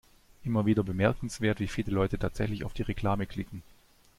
Immer wieder bemerkenswert, wie viele Leute tatsächlich auf die Reklame klicken.